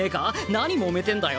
なにもめてんだよ。